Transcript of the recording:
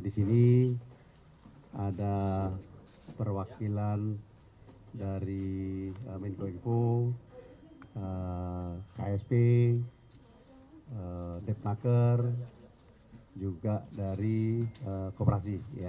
di sini ada perwakilan dari minco inco ksp deptaker juga dari koperasi